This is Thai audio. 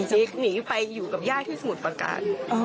หนีไปอยู่กับย่าที่สมุทรประการ